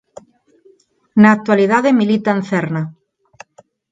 Na actualidade milita en Cerna.